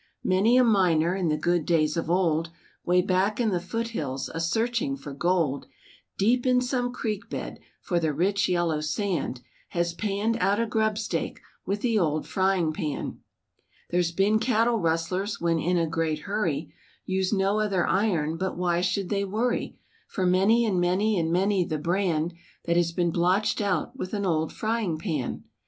Many a miner, in the good days of old, Way back in the foothills a searching for gold Deep in some creek bed, for the rich yellow sand, Has panned out a grub stake with the old frying pan. There's been cattle rustlers, when in a great hurry Used no other iron, but why should they worry, For many and many and many the brand, That has been blotched out with an old frying pan.